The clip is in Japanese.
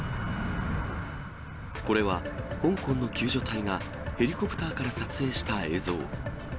これは香港の救助隊がヘリコプターから撮影した映像。